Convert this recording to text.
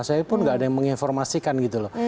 saya pun nggak ada yang menginformasikan gitu loh